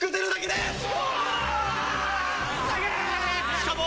しかも。